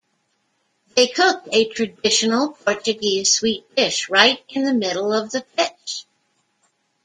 They cooked a traditional Portuguese sweet dish right in the middle of the pitch.